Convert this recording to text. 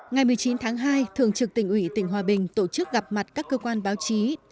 ngày một mươi chín tháng hai thường trực tỉnh ủy tỉnh hòa bình tổ chức gặp mặt các cơ quan báo chí